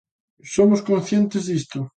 Somos conscientes disto.